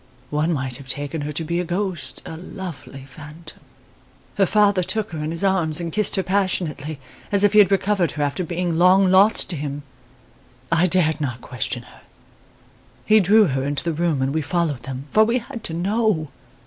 One might have taken her to be a ghost a lovely phantom. Her father took her in his arms and kissed her passionately, as if he had recovered her after being long lost to him. I dared not question her. He drew her into the room and we followed them, for we had to know!